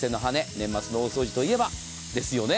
年末の大掃除といえばですよね。